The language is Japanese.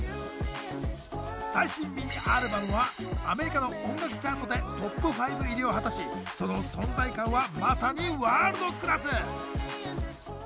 最新ミニアルバムはアメリカの音楽チャートでトップ５入りを果たしその存在感はまさにワールドクラス！